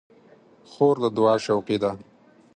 خور د دعا شوقي ده.